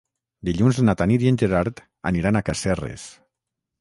Dilluns na Tanit i en Gerard aniran a Casserres.